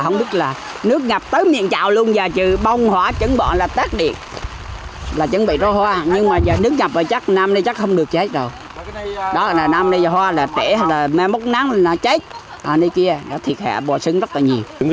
năm nay vườn hoa là trễ mưa mốc nắng là chết nơi kia thiệt hại bỏ sứng rất là nhiều